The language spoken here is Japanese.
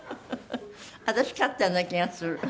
私勝ったような気がする。